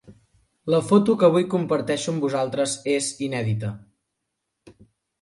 La foto que avui comparteixo amb vosaltres és inèdita.